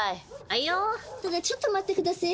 ただちょっと待ってくだせえ。